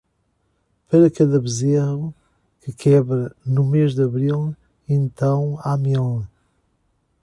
Para cada bezerro que quebra no mês de abril, então há mil.